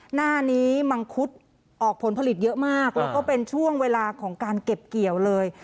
หน้านี้มังคุดออกผลผลิตเยอะมากแล้วก็เป็นช่วงเวลาของการเก็บเกี่ยวเลย